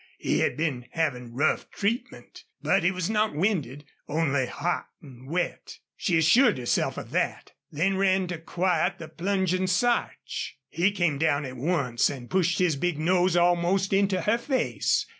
He had been having rough treatment. But he was not winded only hot and wet. She assured herself of that, then ran to quiet the plunging Sarch. He came down at once, and pushed his big nose almost into her face.